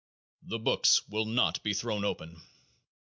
The books will not be thrown open.